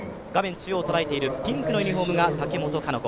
中央を捉えているピンクのユニフォームが竹本香奈子。